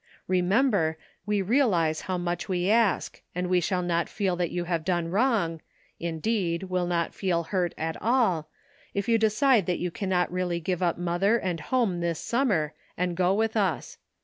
Remember, we realize how much we ask, and we shall not feel that you have done wrong — indeed will not feel hurt at all — if you decide that you cannot really give up mother and home this summer, and go with us.